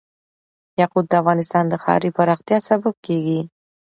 یاقوت د افغانستان د ښاري پراختیا سبب کېږي.